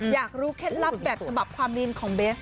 อยากรู้เคล็ดลับแบบฉบับความนินของเบส